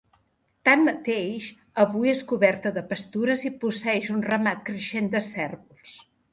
Tanmateix, avui és coberta de pastures i posseeix un ramat creixent de cérvols.